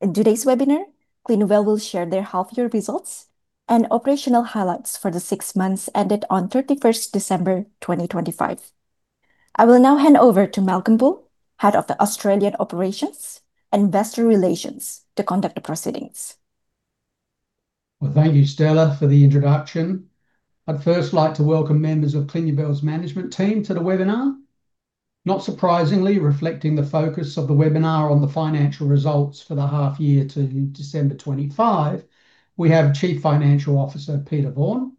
In today's webinar, CLINUVEL will share their half year results and operational highlights for the six months ended on 31st December, 2025. I will now hand over to Malcolm Bull, Head of the Australian Operations and Investor Relations, to conduct the proceedings. Well, thank you, Stella, for the introduction. I'd first like to welcome members of CLINUVEL's management team to the webinar. Not surprisingly, reflecting the focus of the webinar on the financial results for the half year to December 2025, we have Chief Financial Officer, Peter Vaughan.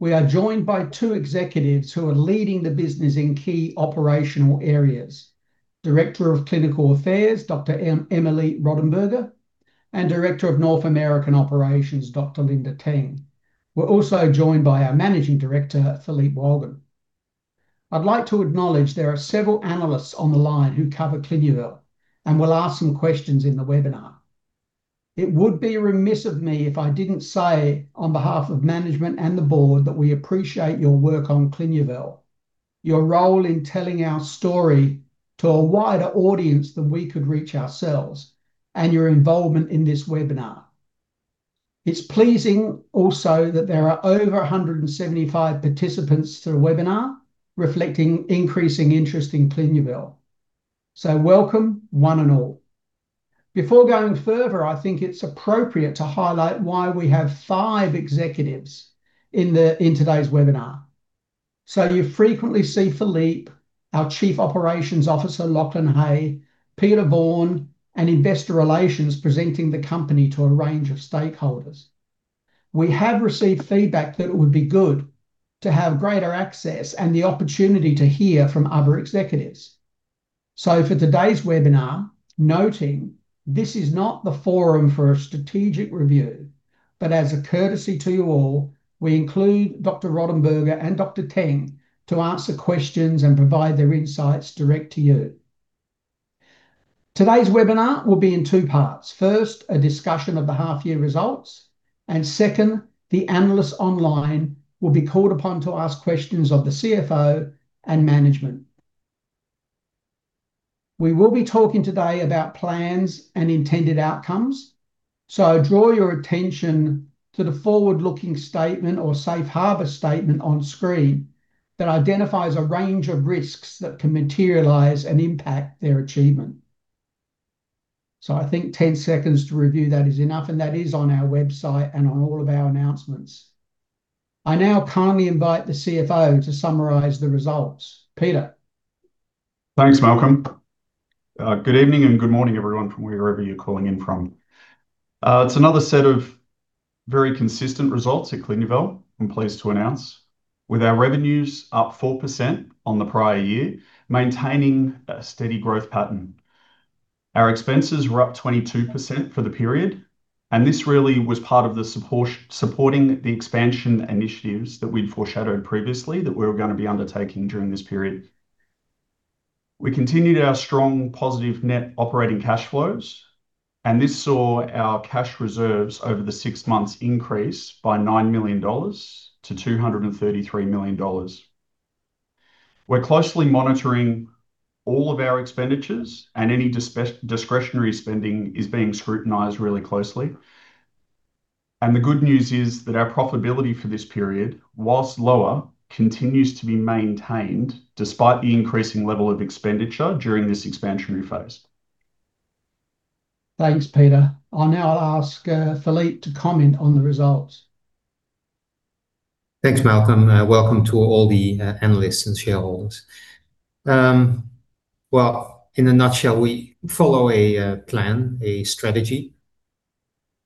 We are joined by two executives who are leading the business in key operational areas. Director of Clinical Affairs, Dr. Emilie Rodenburger, and Director of North American Operations, Dr. Linda Teng. We're also joined by our Managing Director, Philippe Wolgen. I'd like to acknowledge there are several analysts on the line who cover CLINUVEL, and will ask some questions in the webinar. It would be remiss of me if I didn't say, on behalf of management and the board, that we appreciate your work on CLINUVEL, your role in telling our story to a wider audience than we could reach ourselves, and your involvement in this webinar. It's pleasing also that there are over 175 participants to the webinar, reflecting increasing interest in CLINUVEL. Welcome, one and all. Before going further, I think it's appropriate to highlight why we have five executives in today's webinar. You frequently see Philippe, our Chief Operations Officer, Lachlan Hay, Peter Vaughan, and Investor Relations presenting the company to a range of stakeholders. We have received feedback that it would be good to have greater access and the opportunity to hear from other executives. For today's webinar, noting this is not the forum for a strategic review, but as a courtesy to you all, we include Dr. Emilie Rodenburger and Dr. Linda Teng to answer questions and provide their insights direct to you. Today's webinar will be in two parts: First, a discussion of the half year results, and second, the analysts online will be called upon to ask questions of the CFO and management. We will be talking today about plans and intended outcomes, draw your attention to the forward-looking statement or Safe Harbor statement on screen that identifies a range of risks that can materialize and impact their achievement. I think 10 seconds to review that is enough, and that is on our website and on all of our announcements. I now kindly invite the CFO to summarize the results. Peter? Thanks, Malcolm. Good evening and good morning, everyone, from wherever you're calling in from. It's another set of very consistent results at CLINUVEL, I'm pleased to announce. With our revenues up 4% on the prior year, maintaining a steady growth pattern. Our expenses were up 22% for the period, and this really was part of supporting the expansion initiatives that we'd foreshadowed previously that we were gonna be undertaking during this period. We continued our strong positive net operating cash flows, and this saw our cash reserves over the six months increase by 9 million-233 million dollars. We're closely monitoring all of our expenditures, and any discretionary spending is being scrutinized really closely. The good news is that our profitability for this period, while lower, continues to be maintained despite the increasing level of expenditure during this expansionary phase. Thanks, Peter. I'll now ask Philippe to comment on the results. Thanks, Malcolm. Welcome to all the analysts and shareholders. Well, in a nutshell, we follow a plan, a strategy,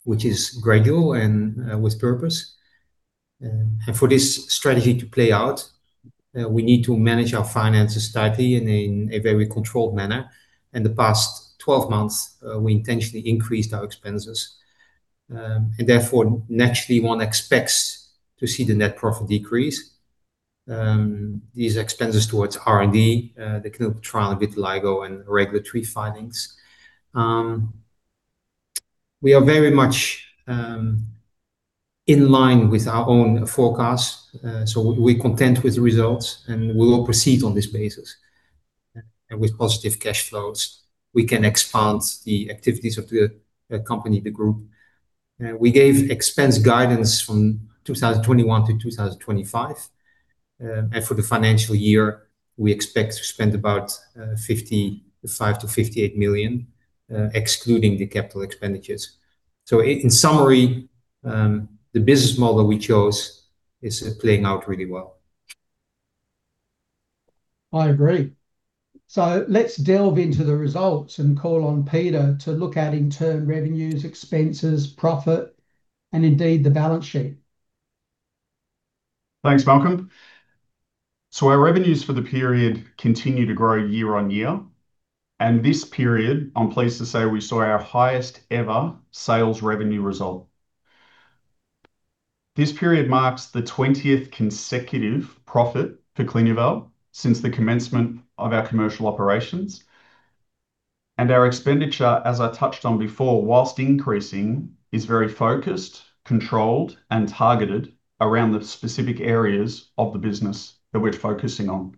which is gradual and with purpose. For this strategy to play out, we need to manage our finances tightly and in a very controlled manner. In the past 12 months, we intentionally increased our expenses. Therefore, naturally, one expects to see the net profit decrease. These expenses towards R&D, the clinical trial, vitiligo, and regulatory filings. We are very much in line with our own forecasts, so we're content with the results, and we will proceed on this basis. With positive cash flows, we can expand the activities of the company, the group. We gave expense guidance from 2021 to 2025. For the financial year, we expect to spend about 55 million-58 million, excluding the CapEx. In summary, the business model we chose is playing out really well. I agree. let's delve into the results and call on Peter to look at in turn, revenues, expenses, profit, and indeed, the balance sheet. Thanks, Malcolm. Our revenues for the period continue to grow year-on-year, and this period, I'm pleased to say, we saw our highest ever sales revenue result. This period marks the 20th consecutive profit for CLINUVEL since the commencement of our commercial operations. Our expenditure, as I touched on before, while increasing, is very focused, controlled, and targeted around the specific areas of the business that we're focusing on.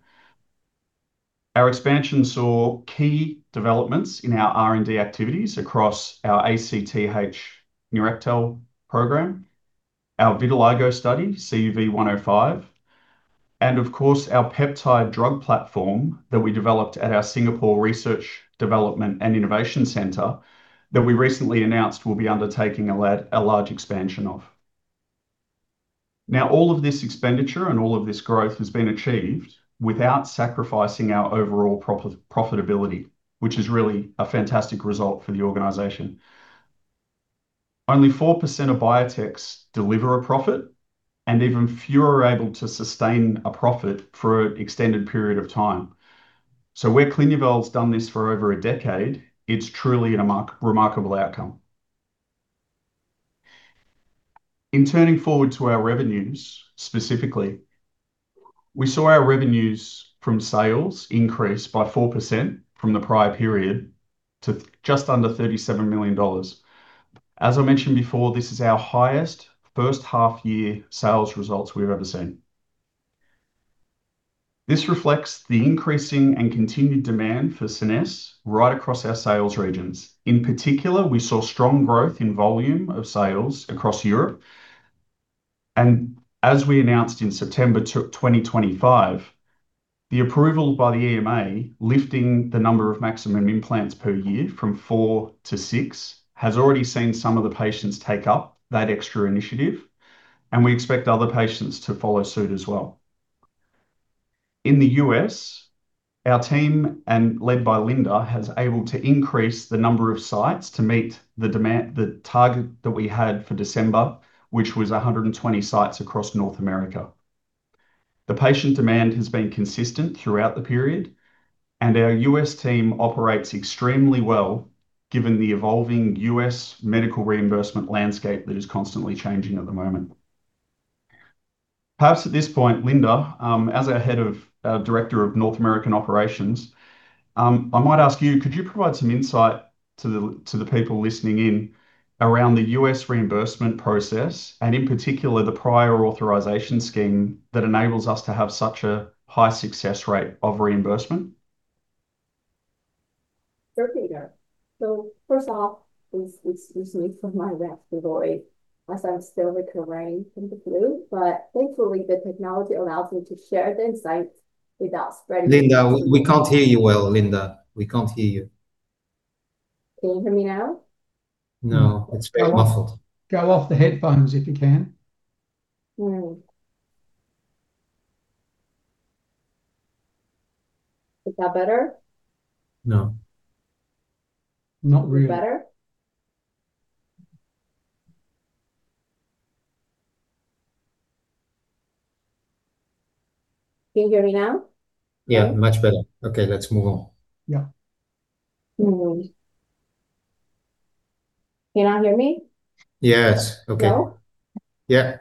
Our expansion saw key developments in our R&D activities across our ACTH NEURACTHEL program, our vitiligo study, CUV105, and of course, our peptide drug platform that we developed at our Singapore Research Development and Innovation Centre, that we recently announced we'll be undertaking a large expansion of. All of this expenditure and all of this growth has been achieved without sacrificing our overall profitability, which is really a fantastic result for the organization. Only 4% of biotechs deliver a profit, even fewer are able to sustain a profit for an extended period of time. Where CLINUVEL's done this for over a decade, it's truly a remarkable outcome. In turning forward to our revenues, specifically, we saw our revenues from sales increase by 4% from the prior period to just under $37 million. As I mentioned before, this is our highest first half year sales results we've ever seen. This reflects the increasing and continued demand for SCENESSE right across our sales regions. In particular, we saw strong growth in volume of sales across Europe, and as we announced in September 2025, the approval by the EMA, lifting the number of maximum implants per year from four to six, has already seen some of the patients take up that extra initiative, and we expect other patients to follow suit as well. In the U.S., our team, and led by Linda, has able to increase the number of sites to meet the demand, the target that we had for December, which was 120 sites across North America. The patient demand has been consistent throughout the period, and our U.S. team operates extremely well, given the evolving U.S. medical reimbursement landscape that is constantly changing at the moment. Perhaps at this point, Linda, as our Director of North American Operations, I might ask you, could you provide some insight to the people listening in around the U.S. reimbursement process, in particular, the prior authorization scheme that enables us to have such a high success rate of reimbursement? Sure, Peter. First off, excuse me for my raspy voice, as I'm still recovering from the flu, but thankfully, the technology allows me to share the insights without spreading. Linda, we can't hear you well, Linda. We can't hear you. Can you hear me now? No, it's very muffled. Go off the headphones, if you can. Is that better? No. Not really. Better? Can you hear me now? Yeah, much better. Okay, let's move on. Yeah. Can you not hear me? Yes. Okay. No? Yeah.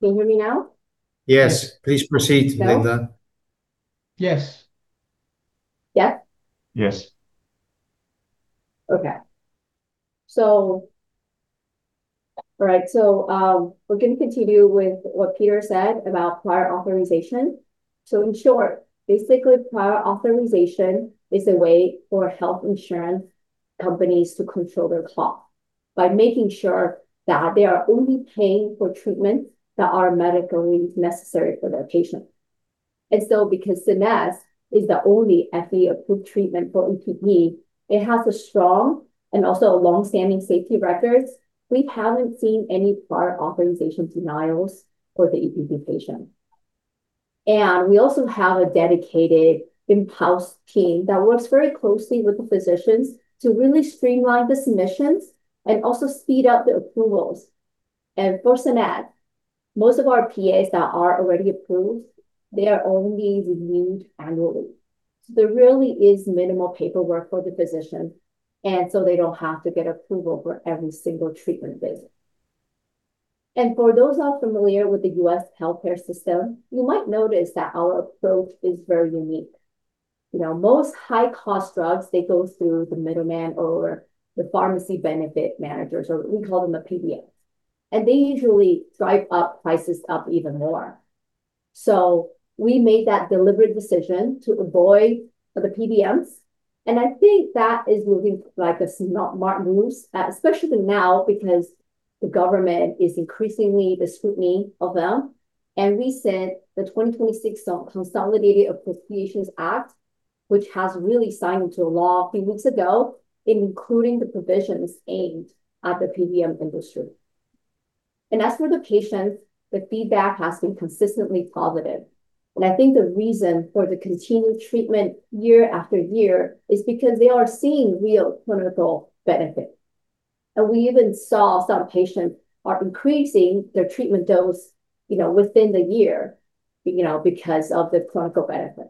Can you hear me now? Yes. Please proceed, Linda. No? Yes. Yes? Yes. Okay. We're going to continue with what Peter said about prior authorization. In short, basically, prior authorization is a way for health insurance companies to control their cost by making sure that they are only paying for treatments that are medically necessary for their patient. Because SCENESSE is the only FDA-approved treatment for EPP, it has a strong and also a long-standing safety records. We haven't seen any prior authorization denials for the EPP patient. We also have a dedicated in-house team that works very closely with the physicians to really streamline the submissions and also speed up the approvals. For SCENESSE, most of our PAs that are already approved, they are only renewed annually. There really is minimal paperwork for the physician, they don't have to get approval for every single treatment visit. For those not familiar with the U.S. healthcare system, you might notice that our approach is very unique. You know, most high-cost drugs, they go through the middleman or the Pharmacy Benefit Managers, or we call them the PBMs, and they usually drive up prices even more. We made that deliberate decision to avoid the PBMs, and I think that is looking like a smart move, especially now, because the government is increasingly the scrutiny of them. We said the 2026 Consolidated Appropriations Act, which has really signed into law a few weeks ago, including the provisions aimed at the PBM industry. As for the patients, the feedback has been consistently positive, and I think the reason for the continued treatment year after year is because they are seeing real clinical benefit. We even saw some patients are increasing their treatment dose, you know, within the year, you know, because of the clinical benefit.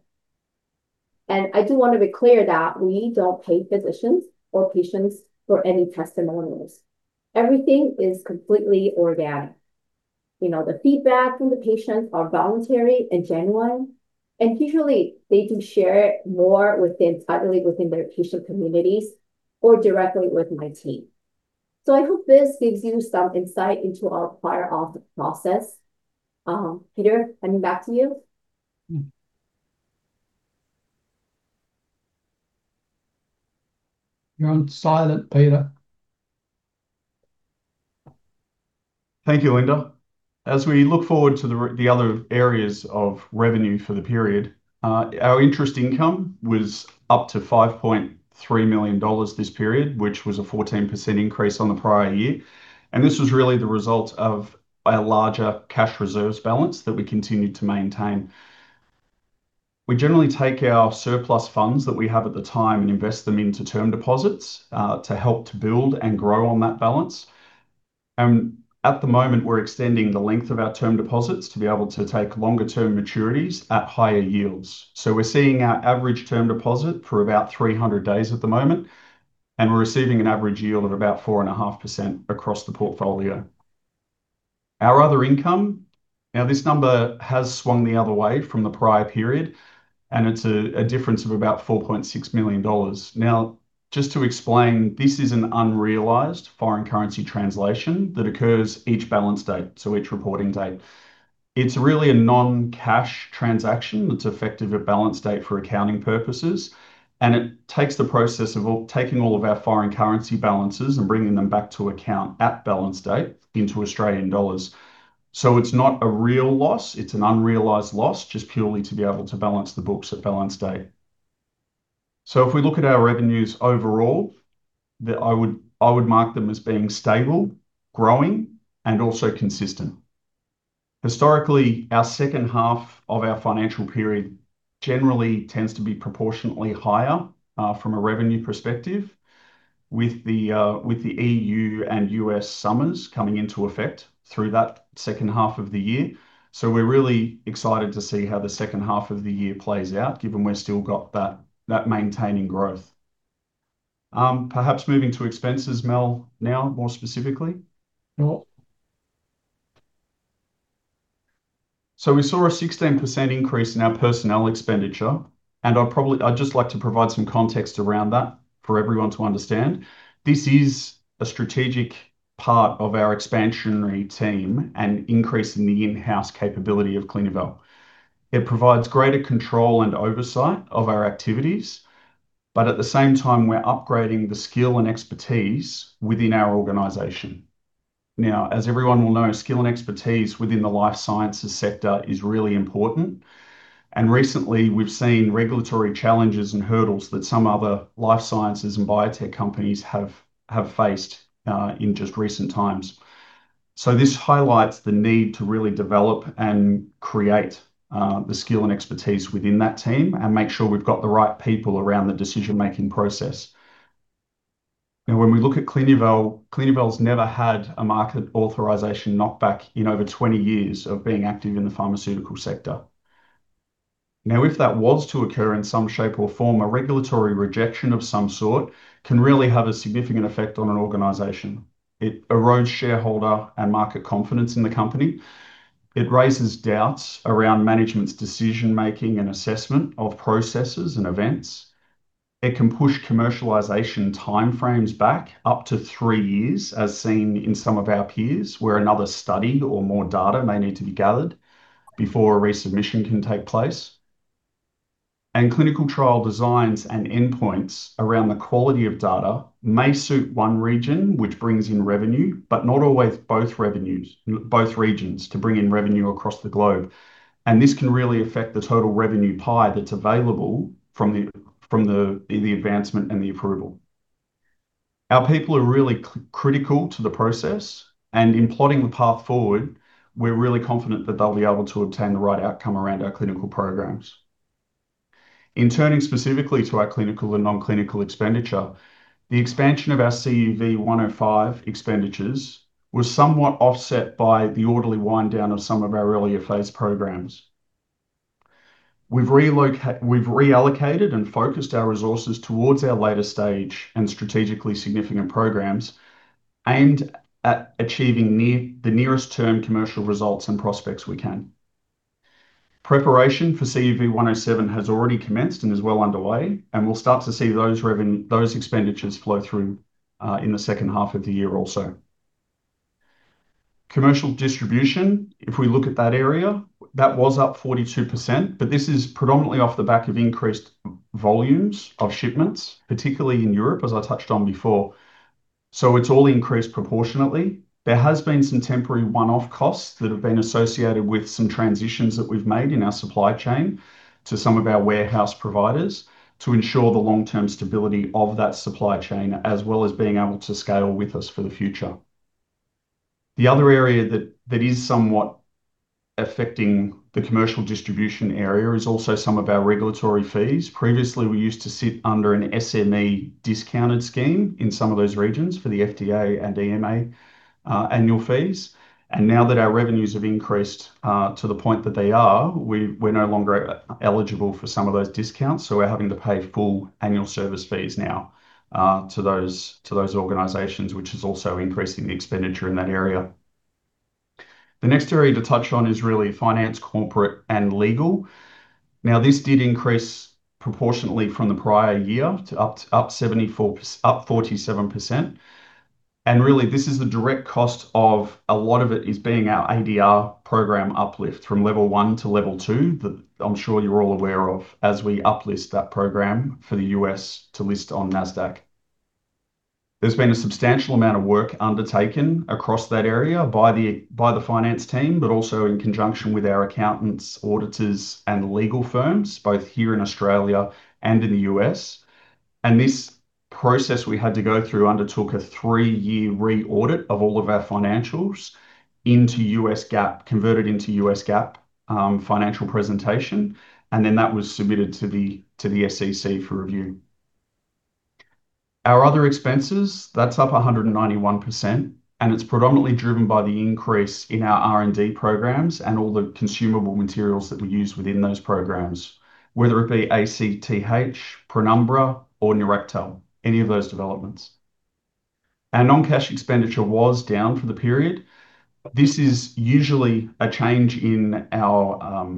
I do want to be clear that we don't pay physicians or patients for any testimonials. Everything is completely organic. You know, the feedback from the patients are voluntary and genuine, and usually they do share it more within, I believe, within their patient communities or directly with my team. I hope this gives you some insight into our prior off the process. Peter, handing back to you. You're on silent, Peter. Thank you, Linda. As we look forward to the other areas of revenue for the period, our interest income was up to 5.3 million dollars this period, which was a 14% increase on the prior year. This was really the result of a larger cash reserves balance that we continued to maintain. We generally take our surplus funds that we have at the time and invest them into term deposits to help to build and grow on that balance. At the moment, we're extending the length of our term deposits to be able to take longer-term maturities at higher yields. We're seeing our average term deposit for about 300 days at the moment, we're receiving an average yield of about 4.5% across the portfolio. Our other income, this number has swung the other way from the prior period, and it's a difference of about 4.6 million dollars. Just to explain, this is an unrealized foreign currency translation that occurs each balance date, so each reporting date. It's really a non-cash transaction that's effective at balance date for accounting purposes, and it takes the process of taking all of our foreign currency balances and bringing them back to account at balance date into Australian dollars. It's not a real loss, it's an unrealized loss, just purely to be able to balance the books at balance date. If we look at our revenues overall, I would mark them as being stable, growing, and also consistent. Historically, our second half of our financial period generally tends to be proportionately higher from a revenue perspective, with the E.U. and U.S. summers coming into effect through that second half of the year. We're really excited to see how the second half of the year plays out, given we've still got that maintaining growth. Perhaps moving to expenses, Mal, now, more specifically? Yeah. We saw a 16% increase in our personnel expenditure, and I'd just like to provide some context around that for everyone to understand. This is a strategic part of our expansionary team and increasing the in-house capability of CLINUVEL. It provides greater control and oversight of our activities, but at the same time, we're upgrading the skill and expertise within our organization. Now, as everyone will know, skill and expertise within the life sciences sector is really important, and recently, we've seen regulatory challenges and hurdles that some other life sciences and biotech companies have faced in just recent times. This highlights the need to really develop and create the skill and expertise within that team and make sure we've got the right people around the decision-making process. When we look at CLINUVEL's never had a market authorization knockback in over 20 years of being active in the pharmaceutical sector. If that was to occur in some shape or form, a regulatory rejection of some sort can really have a significant effect on an organization. It erodes shareholder and market confidence in the company. It raises doubts around management's decision-making and assessment of processes and events. It can push commercialization timeframes back up to three years, as seen in some of our peers, where another study or more data may need to be gathered before a resubmission can take place. Clinical trial designs and endpoints around the quality of data may suit one region, which brings in revenue, but not always both regions, to bring in revenue across the globe. This can really affect the total revenue pie that's available from the advancement and the approval. Our people are really critical to the process, and in plotting the path forward, we're really confident that they'll be able to obtain the right outcome around our clinical programs. In turning specifically to our clinical and non-clinical expenditure, the expansion of our CUV105 expenditures was somewhat offset by the orderly wind down of some of our earlier phase programs. We've reallocated and focused our resources towards our later stage and strategically significant programs, and at achieving the nearest term commercial results and prospects we can. Preparation for CUV107 has already commenced and is well underway, and we'll start to see those expenditures flow through in the second half of the year also. Commercial distribution, if we look at that area, that was up 42%. This is predominantly off the back of increased volumes of shipments, particularly in Europe, as I touched on before. It's all increased proportionately. There has been some temporary one-off costs that have been associated with some transitions that we've made in our supply chain to some of our warehouse providers to ensure the long-term stability of that supply chain, as well as being able to scale with us for the future. The other area that is somewhat affecting the commercial distribution area is also some of our regulatory fees. Previously, we used to sit under an SME discounted scheme in some of those regions for the FDA and EMA annual fees. Now that our revenues have increased to the point that they are, we're no longer eligible for some of those discounts, so we're having to pay full annual service fees now to those organizations, which is also increasing the expenditure in that area. The next area to touch on is really finance, corporate, and legal. Now, this did increase proportionately from the prior year to up 47%. Really, this is the direct cost of a lot of it is being our ADR program uplift from level 1 to level 2, that I'm sure you're all aware of, as we uplist that program for the U.S. to list on Nasdaq. There's been a substantial amount of work undertaken across that area by the finance team, but also in conjunction with our accountants, auditors, and legal firms, both here in Australia and in the U.S. This process we had to go through undertook a three-year re-audit of all of our financials into U.S. GAAP, converted into U.S. GAAP, financial presentation, and then that was submitted to the SEC for review. Our other expenses, that's up 191%, and it's predominantly driven by the increase in our R&D programs and all the consumable materials that we use within those programs, whether it be ACTH, PRÉNUMBRA, or NEURACTHEL, any of those developments. Our non-cash expenditure was down for the period. This is usually a change in our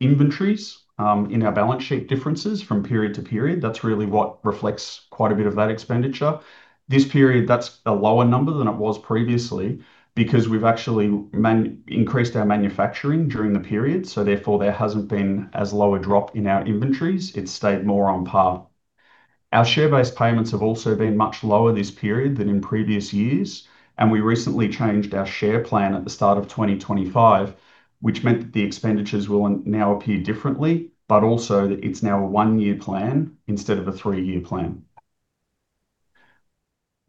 inventories in our balance sheet differences from period to period. That's really what reflects quite a bit of that expenditure. This period, that's a lower number than it was previously because we've actually increased our manufacturing during the period, therefore, there hasn't been as low a drop in our inventories. It stayed more on par. Our share-based payments have also been much lower this period than in previous years, we recently changed our share plan at the start of 2025, which meant that the expenditures will now appear differently, but also that it's now a one-year plan instead of a three-year plan.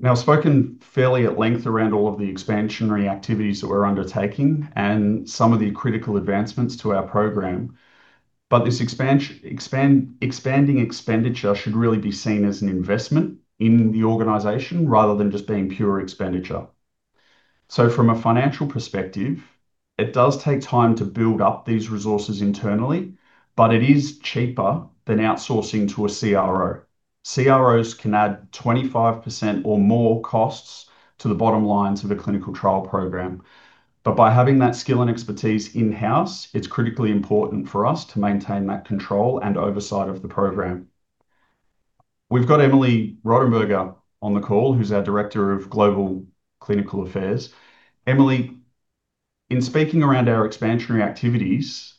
I've spoken fairly at length around all of the expansionary activities that we're undertaking and some of the critical advancements to our program, this expanding expenditure should really be seen as an investment in the organization rather than just being pure expenditure. From a financial perspective, it does take time to build up these resources internally, but it is cheaper than outsourcing to a CRO. CROs can add 25% or more costs to the bottom lines of a clinical trial program. By having that skill and expertise in-house, it's critically important for us to maintain that control and oversight of the program. We've got Emilie Rodenburger on the call, who's our Director of Global Clinical Affairs. Emilie, in speaking around our expansionary activities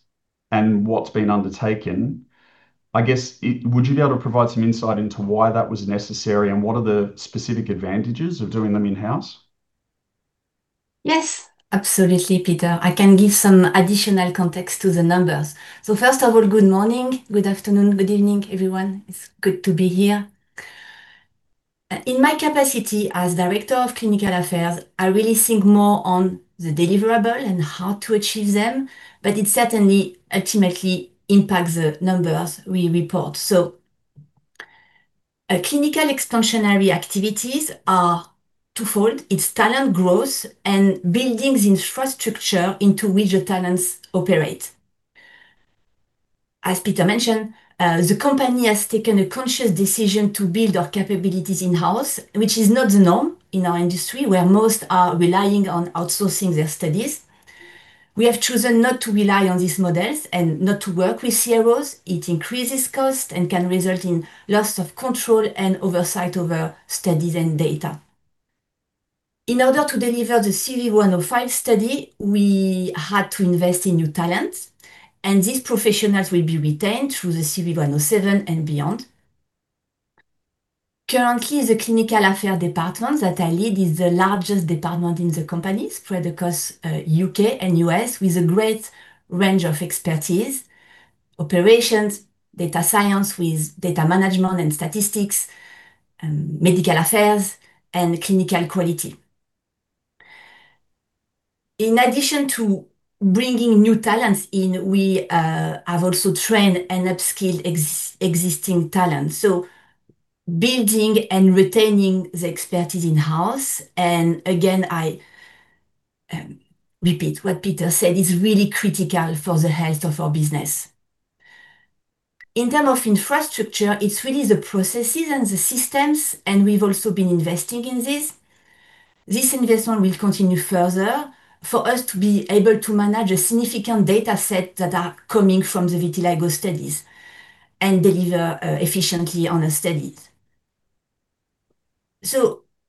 and what's been undertaken, I guess, Would you be able to provide some insight into why that was necessary, and what are the specific advantages of doing them in-house? Yes, absolutely, Peter. I can give some additional context to the numbers. First of all, good morning, good afternoon, good evening, everyone. It's good to be here. In my capacity as Director of Clinical Affairs, I really think more on the deliverable and how to achieve them, but it certainly ultimately impacts the numbers we report. Clinical expansionary activities are twofold: it's talent growth and building the infrastructure into which the talents operate. As Peter mentioned, the company has taken a conscious decision to build our capabilities in-house, which is not the norm in our industry, where most are relying on outsourcing their studies. We have chosen not to rely on these models and not to work with CROs. It increases cost and can result in loss of control and oversight over studies and data. In order to deliver the CUV105 study, we had to invest in new talent. These professionals will be retained through the CUV107 and beyond. Currently, the Clinical Affair Department that I lead is the largest department in the company, spread across U.K. and U.S., with a great range of expertise, operations, data science with data management and statistics, and medical affairs, and clinical quality. In addition to bringing new talents in, we have also trained and upskilled existing talents, so building and retaining the expertise in-house. Again, I repeat what Peter said, is really critical for the health of our business. In term of infrastructure, it's really the processes and the systems. We've also been investing in this. This investment will continue further for us to be able to manage a significant data set that are coming from the vitiligo studies and deliver efficiently on the studies.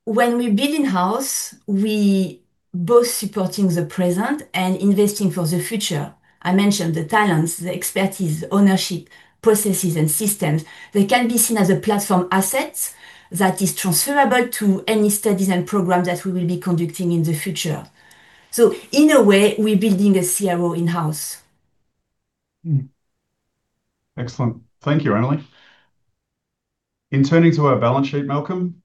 When we build in-house, we both supporting the present and investing for the future. I mentioned the talents, the expertise, ownership, processes, and systems. They can be seen as a platform asset that is transferable to any studies and programs that we will be conducting in the future. In a way, we're building a CRO in-house. Excellent. Thank you, Emilie. In turning to our balance sheet, Malcolm,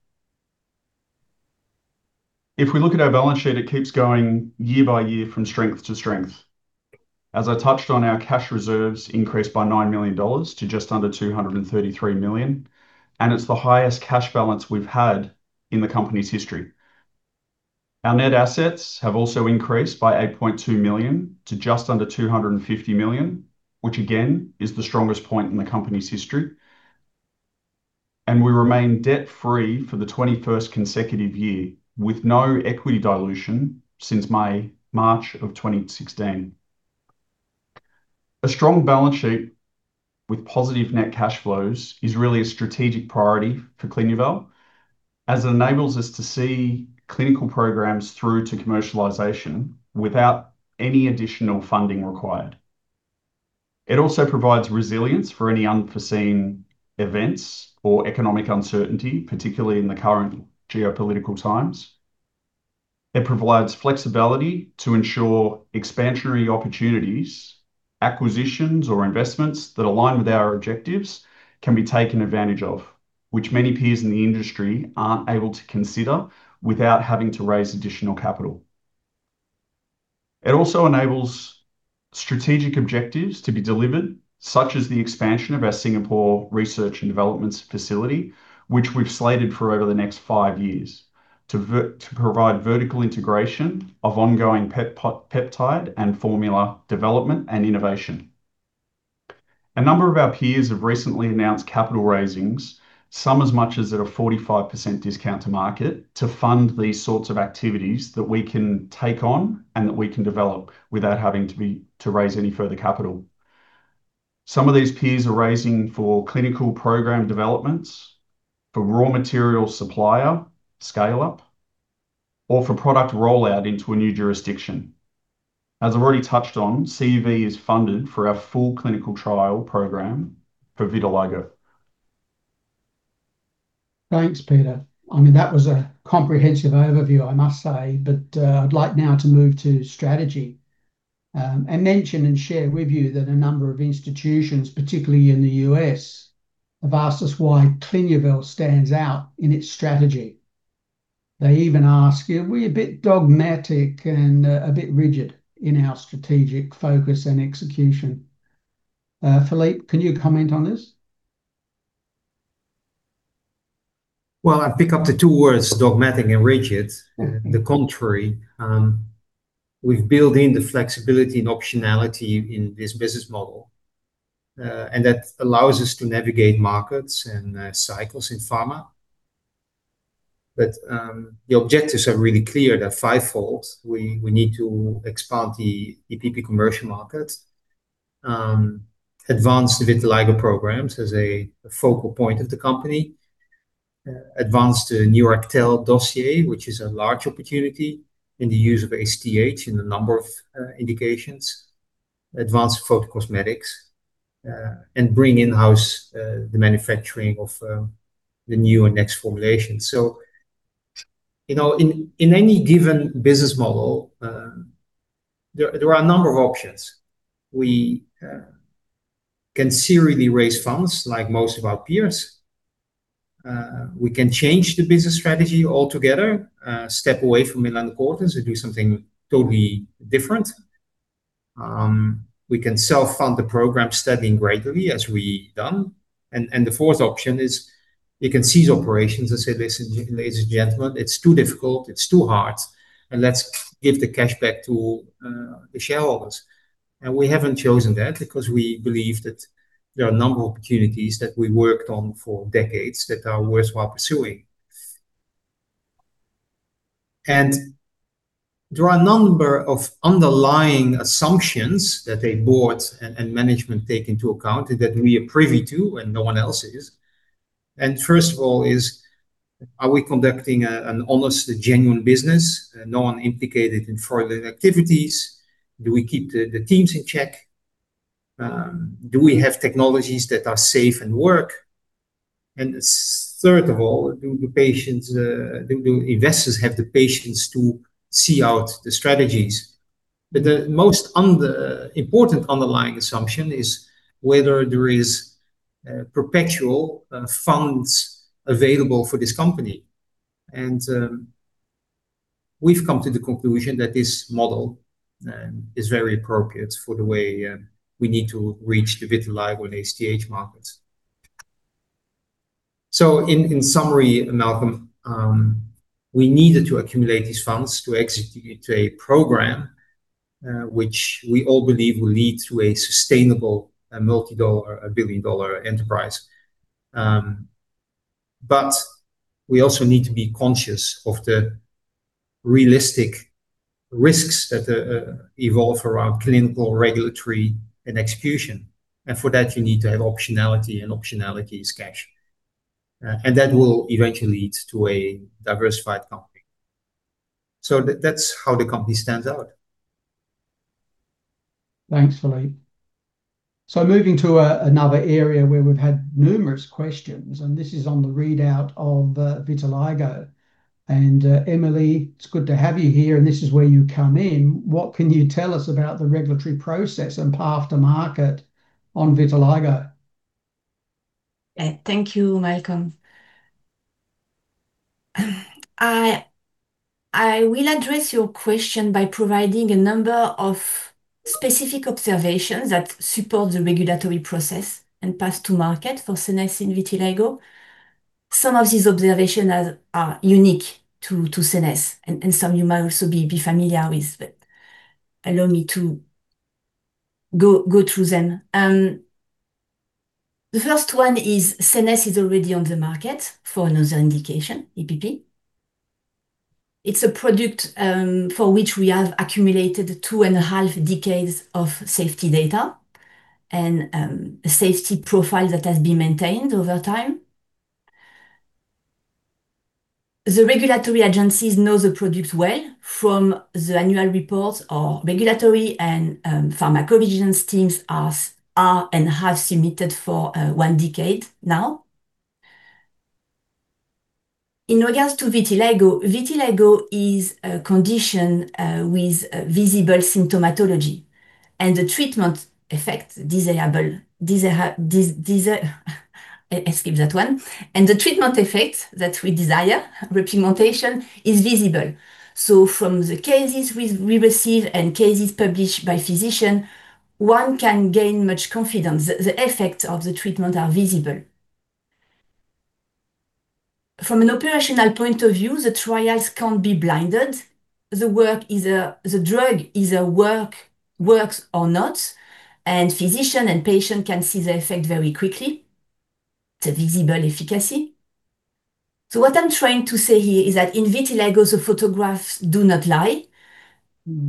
if we look at our balance sheet, it keeps going year by year from strength to strength. As I touched on, our cash reserves increased by 9 million dollars to just under 233 million. It's the highest cash balance we've had in the company's history. Our net assets have also increased by 8.2 million to just under 250 million, which again, is the strongest point in the company's history. We remain debt-free for the 21st consecutive year, with no equity dilution since May, March of 2016. A strong balance sheet with positive net cash flows is really a strategic priority for CLINUVEL, as it enables us to see clinical programs through to commercialization without any additional funding required. It also provides resilience for any unforeseen events or economic uncertainty, particularly in the current geopolitical times. It provides flexibility to ensure expansionary opportunities, acquisitions, or investments that align with our objectives can be taken advantage of, which many peers in the industry aren't able to consider without having to raise additional capital. It also enables strategic objectives to be delivered, such as the expansion of our Singapore research and developments facility, which we've slated for over the next five years, to provide vertical integration of ongoing peptide and formula development and innovation. A number of our peers have recently announced capital raisings, some as much as at a 45% discount to market, to fund these sorts of activities that we can take on and that we can develop without having to raise any further capital. Some of these peers are raising for clinical program developments, for raw material supplier scale-up, or for product rollout into a new jurisdiction. As I've already touched on, CUV is funded for our full clinical trial program for vitiligo. Thanks, Peter. I mean, that was a comprehensive overview, I must say, but I'd like now to move to strategy. Mention and share with you that a number of institutions, particularly in the U.S., have asked us why CLINUVEL stands out in its strategy. They even ask, are we a bit dogmatic and a bit rigid in our strategic focus and execution? Philippe, can you comment on this? Well, I pick up the two words, dogmatic and rigid. The contrary, we've built in the flexibility and optionality in this business model. That allows us to navigate markets and cycles in pharma. The objectives are really clear. They're fivefold. We need to expand the EPP commercial market, advance the vitiligo programs as a focal point of the company, advance the new NEURACTHEL dossier, which is a large opportunity in the use of STH in a number of indications, advance PhotoCosmetics, and bring in-house the manufacturing of the new and next formulation. You know, in any given business model, there are a number of options. We can seriously raise funds like most of our peers. We can change the business strategy altogether, step away from melanocortins, and do something totally different. We can self-fund the program steadily and gradually, as we've done. The fourth option is we can cease operations and say, "Listen, ladies and gentlemen, it's too difficult, it's too hard, and let's give the cash back to the shareholders." We haven't chosen that because we believe that there are a number of opportunities that we worked on for decades that are worthwhile pursuing. There are a number of underlying assumptions that a board and management take into account that we are privy to and no one else is. First of all, are we conducting an honest and genuine business? No one implicated in fraudulent activities. Do we keep the teams in check? Do we have technologies that are safe and work? Third of all, do the patients... Do investors have the patience to see out the strategies? The most important underlying assumption is whether there is perpetual funds available for this company. We've come to the conclusion that this model is very appropriate for the way we need to reach the vitiligo and STH markets. In summary, Malcolm, we needed to accumulate these funds to execute a program which we all believe will lead to a sustainable, multi-dollar, billion-dollar enterprise. We also need to be conscious of the realistic risks that evolve around clinical, regulatory, and execution, and for that, you need to have optionality, and optionality is cash. And that will eventually lead to a diversified company. That's how the company stands out. Thanks, Philippe. Moving to another area where we've had numerous questions, and this is on the readout of vitiligo. Emilie, it's good to have you here, and this is where you come in. What can you tell us about the regulatory process and path to market on vitiligo? Thank you, Malcolm. I will address your question by providing a number of specific observations that support the regulatory process and path to market for SCENESSE in vitiligo. Some of these observations are unique to SCENESSE, and some you might also be familiar with. Allow me to go through them. The first one is SCENESSE is already on the market for another indication, EPP. It's a product for which we have accumulated two and a half decades of safety data and a safety profile that has been maintained over time. The regulatory agencies know the product well from the annual reports our regulatory and pharmacovigilance teams are and have submitted for one decade now. In regards to vitiligo is a condition with visible symptomatology. The treatment effect that we desire, repigmentation, is visible. From the cases we receive and cases published by physician, one can gain much confidence. The effects of the treatment are visible. From an operational point of view, the trials can't be blinded. The work either— The drug either works or not, and physician and patient can see the effect very quickly. It's a visible efficacy. What I'm trying to say here is that in vitiligo, the photographs do not lie,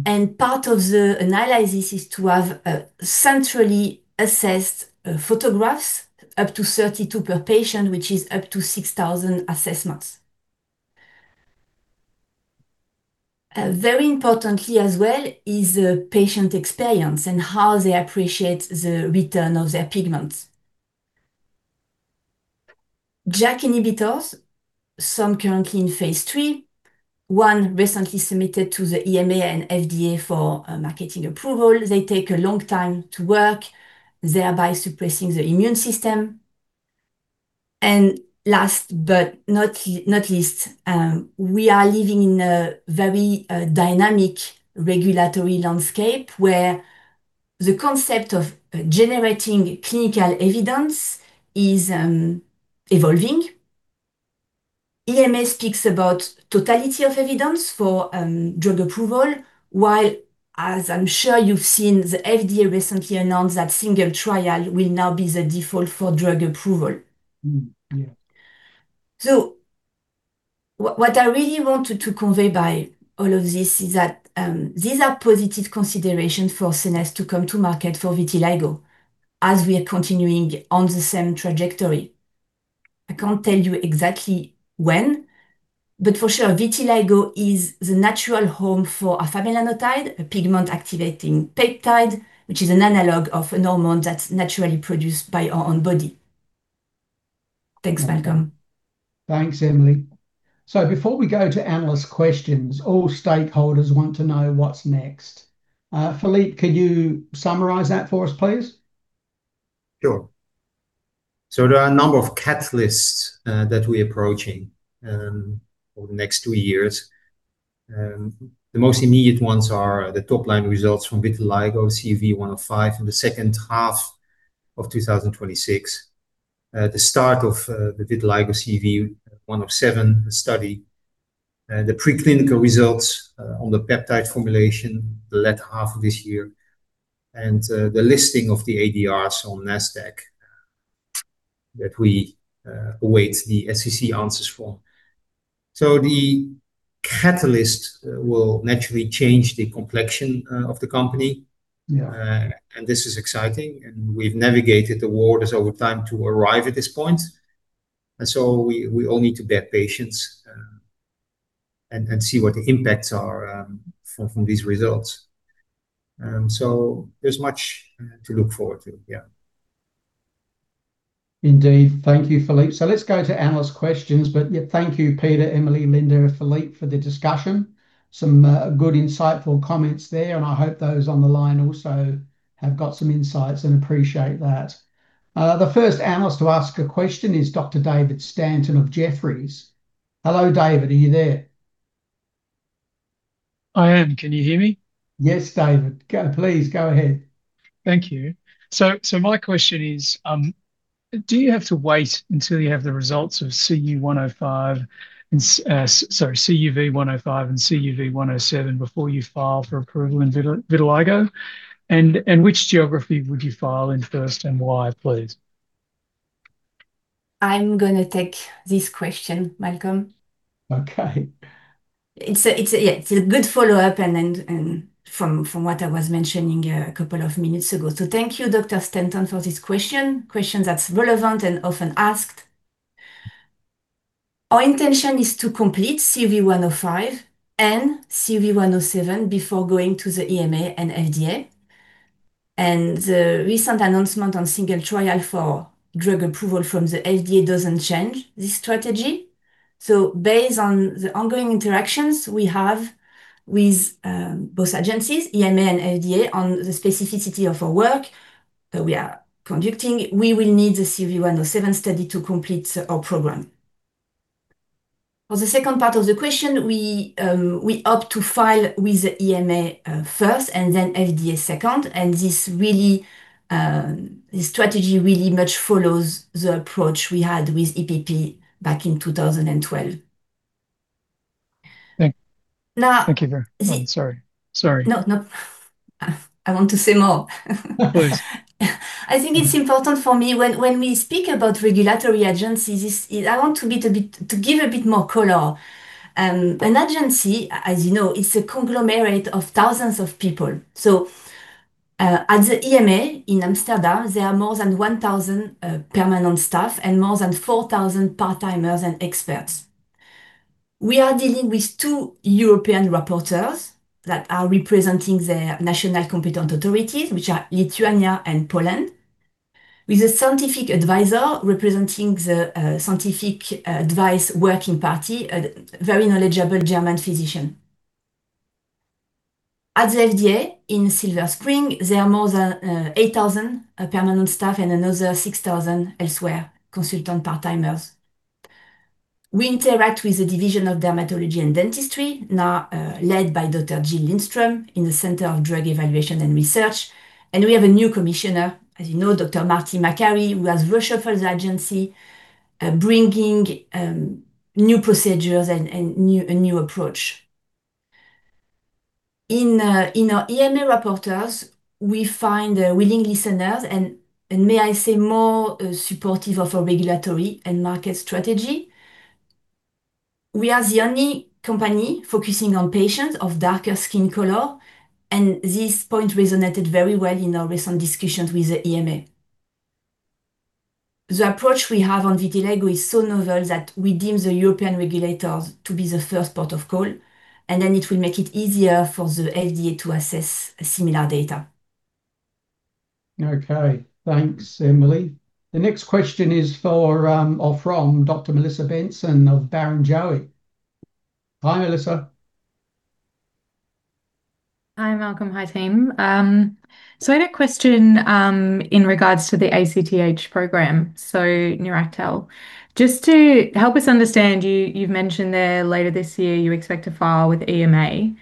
and part of the analysis is to have centrally assessed photographs, up to 32 per patient, which is up to 6,000 assessments. Very importantly as well is the patient experience and how they appreciate the return of their pigments. JAK inhibitors, some currently in phase III, one recently submitted to the EMA and FDA for marketing approval. They take a long time to work, thereby suppressing the immune system. Last but not least, we are living in a very dynamic regulatory landscape, where the concept of generating clinical evidence is evolving. EMA speaks about totality of evidence for drug approval, while, as I'm sure you've seen, the FDA recently announced that single trial will now be the default for drug approval. Yeah. What I really wanted to convey by all of this is that, these are positive considerations for SCENESSE to come to market for vitiligo as we are continuing on the same trajectory. I can't tell you exactly when, but for sure, vitiligo is the natural home for afamelanotide, a pigment-activating peptide, which is an analog of a hormone that's naturally produced by our own body. Thanks, Malcolm. Thanks, Emilie. Before we go to analyst questions, all stakeholders want to know what's next. Philippe, can you summarize that for us, please? Sure. There are a number of catalysts that we're approaching over the next two years. The most immediate ones are the top-line results from vitiligo CUV105 in the second half of 2026, the start of the vitiligo CUV107 study, the preclinical results on the peptide formulation the latter half of this year, and the listing of the ADRs on Nasdaq that we await the SEC answers for. The catalyst will naturally change the complexion of the company. Yeah. This is exciting, we've navigated the waters over time to arrive at this point, we all need to bear patience, and see what the impacts are from these results. There's much to look forward to. Yeah. Indeed. Thank you, Philippe. Let's go to analyst questions, thank you, Peter, Emilie, Linda, and Philippe for the discussion. Some good, insightful comments there, I hope those on the line also have got some insights and appreciate that. The first analyst to ask a question is Dr David Stanton of Jefferies. Hello, David, are you there? I am. Can you hear me? Yes, David. Go, please, go ahead. Thank you. My question is, do you have to wait until you have the results of CUV105 and CUV107 before you file for approval in vitiligo? Which geography would you file in first, and why, please? I'm gonna take this question, Malcolm. Okay. It's a, yeah, it's a good follow-up. From what I was mentioning a couple of minutes ago. Thank you, Dr. Stanton, for this question. Question that's relevant and often asked. Our intention is to complete CUV105 and CUV107 before going to the EMA and FDA. The recent announcement on single trial for drug approval from the FDA doesn't change this strategy. Based on the ongoing interactions we have with both agencies, EMA and FDA, on the specificity of our work that we are conducting, we will need the CUV107 study to complete our program. For the second part of the question, we opt to file with the EMA first and then FDA second. This really, this strategy really much follows the approach we had with EPP back in 2012. Thank- No. Thank you. Oh. Sorry. Sorry. No, no, I want to say more. Please. I think it's important for me, when we speak about regulatory agencies, is I want to give a bit more color. An agency, as you know, it's a conglomerate of thousands of people. At the EMA in Amsterdam, there are more than 1,000 permanent staff and more than 4,000 part-timers and experts. We are dealing with two European reporters that are representing their national competent authorities, which are Lithuania and Poland, with a scientific advisor representing the scientific advice working party, a very knowledgeable German physician. At the FDA in Silver Spring, there are more than 8,000 permanent staff and another 6,000 elsewhere, consultant part-timers. We interact with the Division of Dermatology and Dentistry, now led by Dr. Jill Lindstrom in the Center for Drug Evaluation and Research. We have a new Commissioner, as you know, Dr. Marty Makary, who has reshuffled the agency, bringing new procedures and a new approach. In our EMA reporters, we find willing listeners and may I say, more supportive of our regulatory and market strategy. We are the only company focusing on patients of darker skin color. This point resonated very well in our recent discussions with the EMA. The approach we have on vitiligo is so novel that we deem the European regulators to be the first port of call. It will make it easier for the FDA to assess similar data. Okay. Thanks, Emilie. The next question is for, or from Dr. Melissa Benson of Barrenjoey. Hi, Melissa. Hi, Malcolm. Hi, team. I had a question in regards to the ACTH program, so NEURACTHEL. Just to help us understand, you've mentioned there later this year you expect to file with EMA.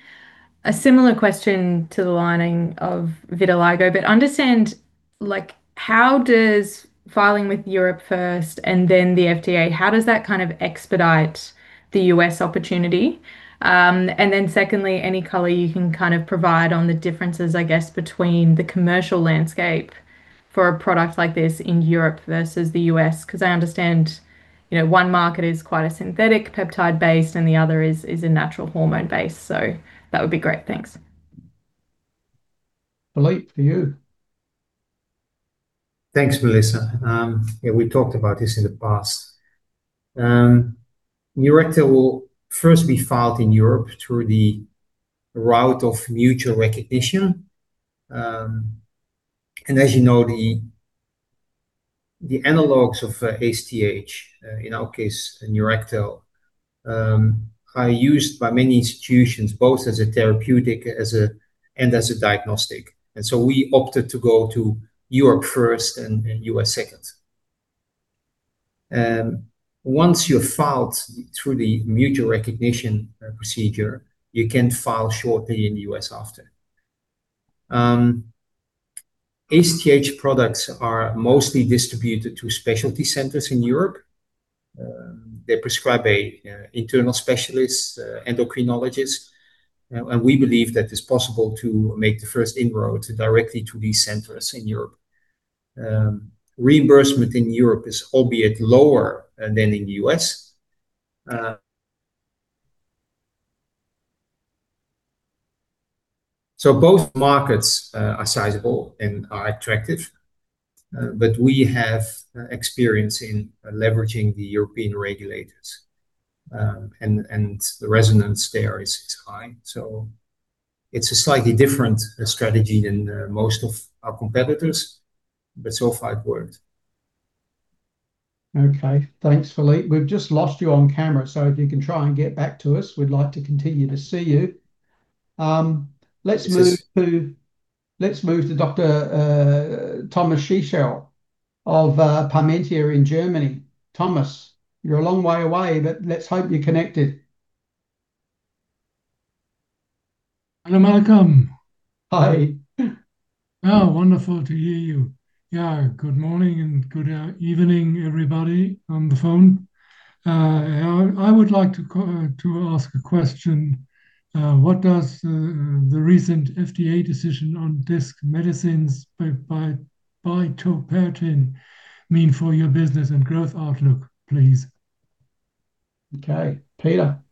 A similar question to the lining of vitiligo, but understand, like, how does filing with Europe first and then the FDA, how does that kind of expedite the U.S. opportunity? Secondly, any color you can kind of provide on the differences, I guess, between the commercial landscape for a product like this in Europe versus the U.S., 'cause I understand, you know, one market is quite a synthetic peptide-based and the other is a natural hormone-based. That would be great. Thanks. Philippe, to you. Thanks, Melissa. Yeah, we talked about this in the past. NEURACTHEL will first be filed in Europe through the route of mutual recognition. As you know, the analogues of ACTH, in our case, NEURACTHEL, are used by many institutions, both as a therapeutic and as a diagnostic. We opted to go to Europe first and U.S. second. Once you've filed through the mutual recognition procedure, you can file shortly in the U.S. after. ACTH products are mostly distributed to specialty centers in Europe. They prescribe an internal specialist endocrinologist, and we believe that it's possible to make the first inroad directly to these centers in Europe. Reimbursement in Europe is albeit lower than in the U.S. Both markets are sizable and are attractive, but we have experience in leveraging the European regulators, and the resonance there is high. It's a slightly different strategy than most of our competitors, but so far it worked. Okay. Thanks, Philippe. We've just lost you on camera, so if you can try and get back to us, we'd like to continue to see you. Let's move to. Yes. Let's move to Dr. Thomas Schießle of EQUI.TS GmbH in Germany. Thomas, you're a long way away, but let's hope you're connected. Hello, Malcolm. Hi. Oh, wonderful to hear you. Yeah, good morning and good evening, everybody on the phone. I would like to ask a question. What does the recent FDA decision on Disc Medicine bitopertin mean for your business and growth outlook, please? Okay, Peter?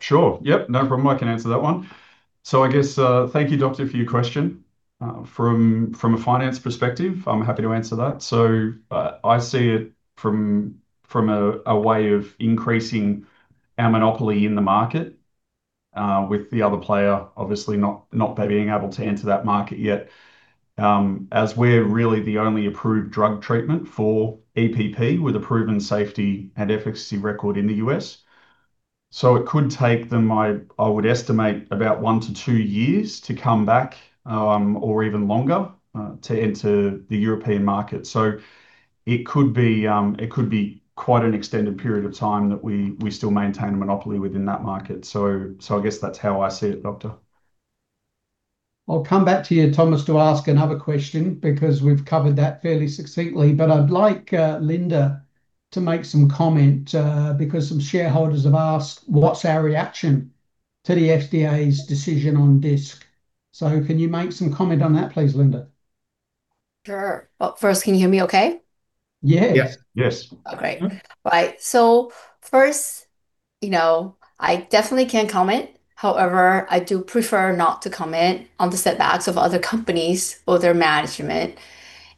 Sure. Yep, no problem. I can answer that one. I guess, thank you, Doctor, for your question. From a finance perspective, I'm happy to answer that. I see it from a way of increasing our monopoly in the market with the other player, obviously not being able to enter that market yet. As we're really the only approved drug treatment for EPP with a proven safety and efficacy record in the U.S. It could take them, I would estimate about one to two years to come back, or even longer, to enter the European market. It could be quite an extended period of time that we still maintain a monopoly within that market. I guess that's how I see it, Doctor. I'll come back to you, Thomas, to ask another question because we've covered that fairly succinctly. I'd like, Linda to make some comment, because some shareholders have asked what's our reaction to the FDA's decision on Disc. Can you make some comment on that, please, Linda? Sure. first, can you hear me okay? Yeah. Yes. Yes. Okay. Right. First, you know, I definitely can comment. However, I do prefer not to comment on the setbacks of other companies or their management,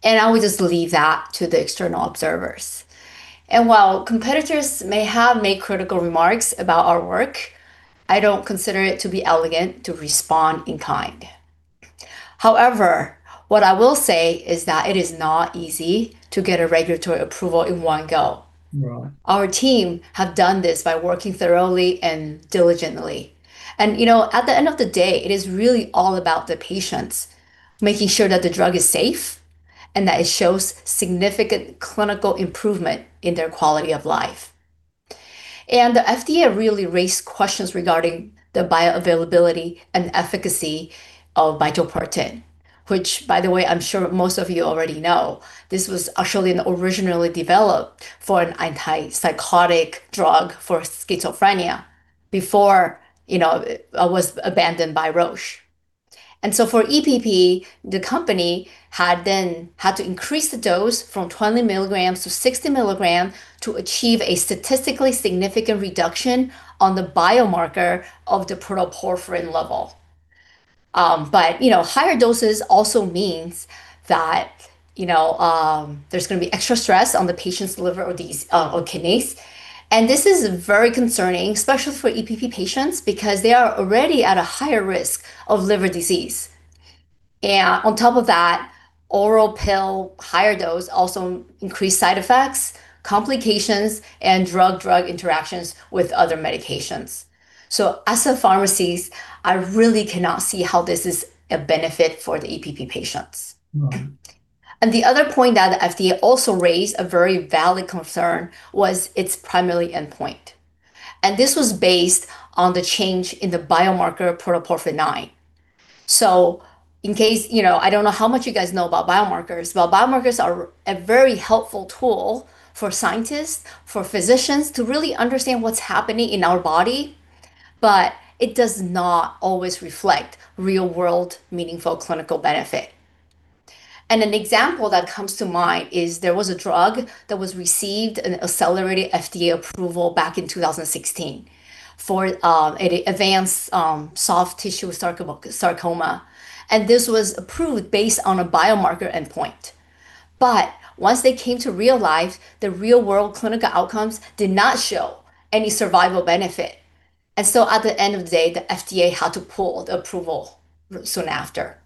and I will just leave that to the external observers. While competitors may have made critical remarks about our work, I don't consider it to be elegant to respond in kind. However, what I will say is that it is not easy to get a regulatory approval in one go. Right. Our team have done this by working thoroughly and diligently, you know, at the end of the day, it is really all about the patients, making sure that the drug is safe and that it shows significant clinical improvement in their quality of life. The FDA really raised questions regarding the bioavailability and efficacy of bitopertin, which, by the way, I'm sure most of you already know, this was actually originally developed for an antipsychotic drug for schizophrenia before, you know, it was abandoned by Roche. For EPP, the company had then had to increase the dose from 20 mg-60 mg to achieve a statistically significant reduction on the biomarker of the protoporphyrin level. You know, higher doses also means that, you know, there's gonna be extra stress on the patient's liver or the or kidneys. This is very concerning, especially for EPP patients, because they are already at a higher risk of liver disease. On top of that, oral pill, higher dose also increased side effects, complications, and drug-drug interactions with other medications. As a pharmacist, I really cannot see how this is a benefit for the EPP patients. Right. The other point that the FDA also raised, a very valid concern, was its primary endpoint, and this was based on the change in the biomarker protoporphyrin IX. In case, you know, I don't know how much you guys know about biomarkers. Well, biomarkers are a very helpful tool for scientists, for physicians to really understand what's happening in our body, but it does not always reflect real-world, meaningful clinical benefit. An example that comes to mind is there was a drug that was received an accelerated FDA approval back in 2016 for an advanced soft tissue sarcoma, and this was approved based on a biomarker endpoint. But once they came to real life, the real-world clinical outcomes did not show any survival benefit. At the end of the day, the FDA had to pull the approval soon after.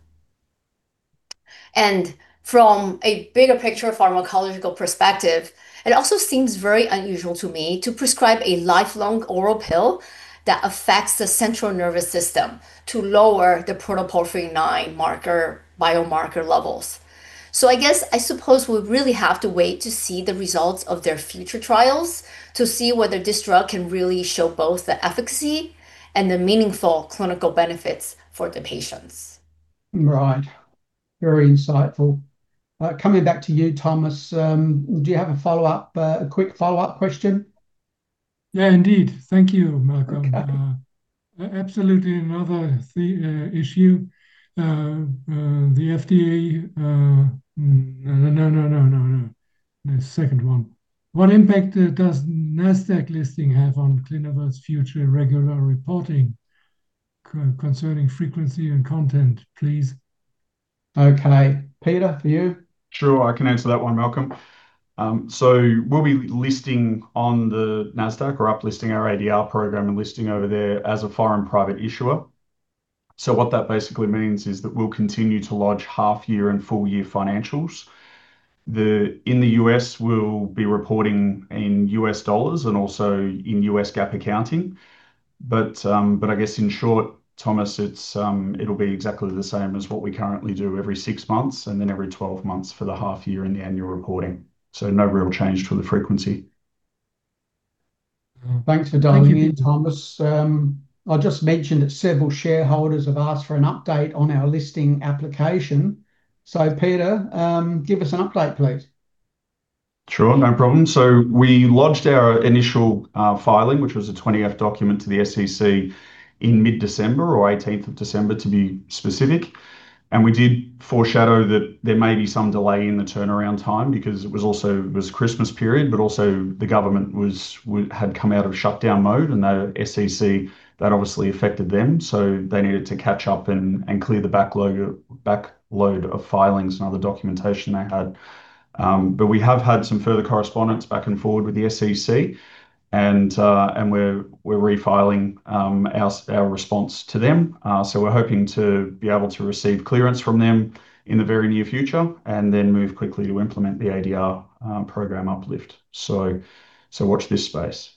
From a bigger picture pharmacological perspective, it also seems very unusual to me to prescribe a lifelong oral pill that affects the central nervous system to lower the protoporphyrin IX marker, biomarker levels. I guess I suppose we'll really have to wait to see the results of their future trials to see whether this drug can really show both the efficacy and the meaningful clinical benefits for the patients. Right. Very insightful. Coming back to you, Thomas, do you have a follow-up, a quick follow-up question? Yeah, indeed. Thank you, Malcolm. Okay. Absolutely another the issue. The FDA. No. The second one. What impact does Nasdaq listing have on CLINUVEL's future regular reporting concerning frequency and content, please? Okay. Peter, for you? Sure, I can answer that one, Malcolm. We'll be listing on the Nasdaq or uplisting our ADR program and listing over there as a foreign private issuer. What that basically means is that we'll continue to lodge half-year and full-year financials. In the U.S., we'll be reporting in U.S. dollars and also in U.S. GAAP accounting. I guess in short, Thomas, it'll be exactly the same as what we currently do every six months, and then every 12 months for the half year and the annual reporting. No real change to the frequency. Thanks for dialing in, Thomas. Thank you. I'll just mention that several shareholders have asked for an update on our listing application. Peter, give us an update, please. Sure, no problem. We lodged our initial filing, which was a 20-F document to the SEC in mid-December, or 18th of December, to be specific. We did foreshadow that there may be some delay in the turnaround time because it was also, it was Christmas period, but also the government had come out of shutdown mode and the SEC, that obviously affected them, so they needed to catch up and clear the backlog of filings and other documentation they had. We have had some further correspondence back and forward with the SEC, and we're refiling our response to them. We're hoping to be able to receive clearance from them in the very near future and then move quickly to implement the ADR program uplift. Watch this space.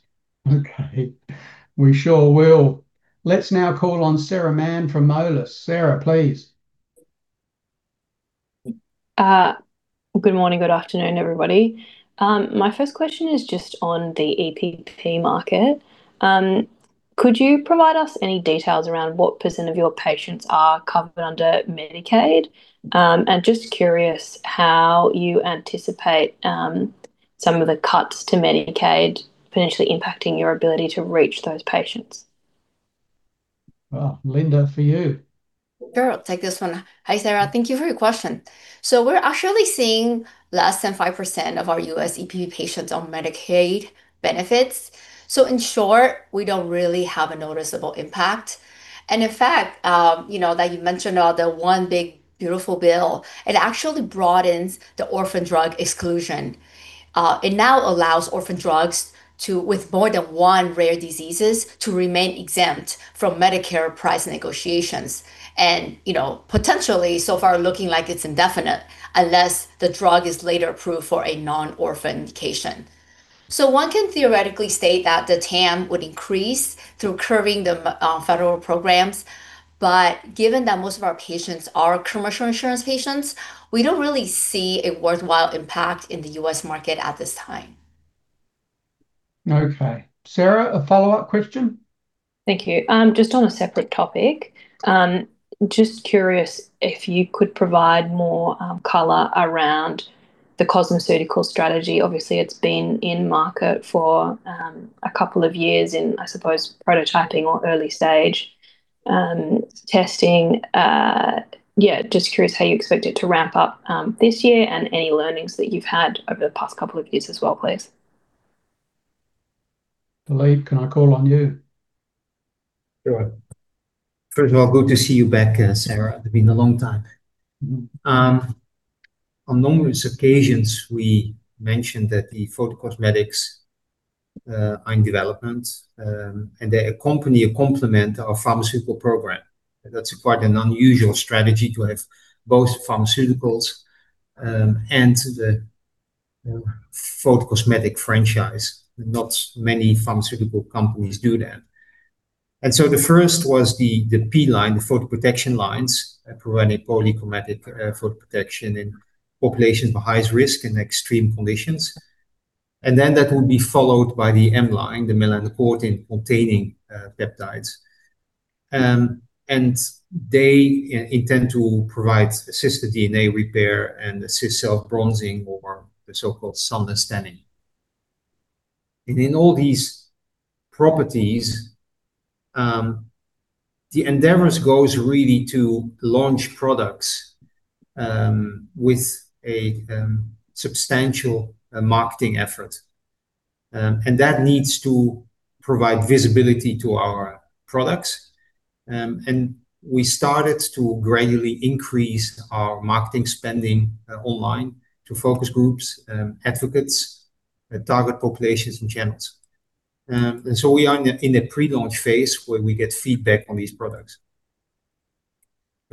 We sure will. Let's now call on Sarah Mann from Moelis. Sarah, please. Good morning, good afternoon, everybody. My first question is just on the EPP market. Could you provide us any details around what percent of your patients are covered under Medicaid? Just curious how you anticipate some of the cuts to Medicaid potentially impacting your ability to reach those patients? Well, Linda, for you. Sure, I'll take this one. Hi, Sarah. Thank you for your question. We're actually seeing less than 5% of our U.S. EPP patients on Medicaid benefits. In short, we don't really have a noticeable impact, and in fact, you know, that you mentioned all the One Big Beautiful Bill. It actually broadens the orphan drug exclusion. It now allows orphan drugs to, with more than one rare diseases, to remain exempt from Medicare price negotiations. You know, potentially, so far looking like it's indefinite, unless the drug is later approved for a non-orphan indication. One can theoretically state that the TAM would increase through curving the federal programs, but given that most of our patients are commercial insurance patients, we don't really see a worthwhile impact in the U.S. market at this time. Okay. Sarah, a follow-up question? Thank you. Just on a separate topic. Just curious if you could provide more color around the cosmeceutical strategy. Obviously, it's been in market for a couple of years in, I suppose, prototyping or early stage testing. Yeah, just curious how you expect it to ramp up this year and any learnings that you've had over the past couple of years as well, please. Philippe, can I call on you? Sure. First of all, good to see you back, Sarah. It's been a long time. On numerous occasions, we mentioned that the PhotoCosmetics are in development, and they accompany a complement our pharmaceutical program. That's quite an unusual strategy to have both Pharmaceuticals and the PhotoCosmetic franchise. Not many pharmaceutical companies do that. The first was the P-line, the photoprotection lines, providing polychromatic photoprotection in populations with highest risk in extreme conditions. That will be followed by the M-line, the melanocortin containing peptides. They intend to provide assist the DNA repair and assist self-bronzing or the so-called sunless tanning. In all these properties, the endeavors goes really to launch products with a substantial marketing effort. That needs to provide visibility to our products. We started to gradually increase our marketing spending online to focus groups, advocates, target populations and channels. We are in a pre-launch phase where we get feedback on these products.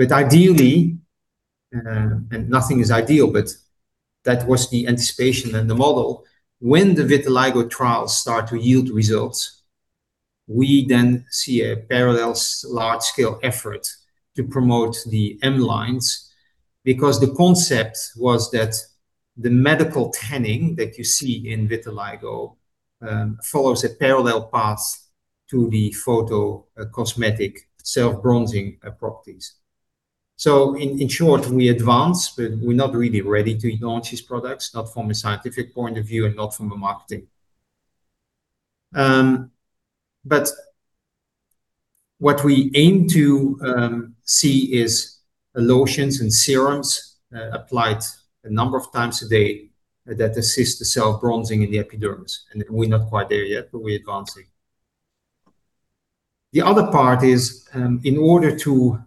Ideally, and nothing is ideal, but that was the anticipation and the model. When the vitiligo trials start to yield results, we then see a parallel large-scale effort to promote the M-lines, because the concept was that the medical tanning that you see in vitiligo follows a parallel path to the PhotoCosmetic self-bronzing properties. In short, we advance, but we're not really ready to launch these products, not from a scientific point of view and not from a marketing. What we aim to see is lotions and serums applied a number of times a day that assist the self-bronzing in the epidermis, and we're not quite there yet, but we're advancing. The other part is in order to